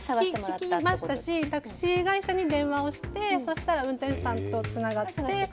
聞きましたし、タクシー会社に電話をして、それで運転手さんとつながって。